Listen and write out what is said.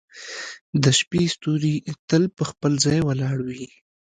• د شپې ستوري تل په خپل ځای ولاړ وي.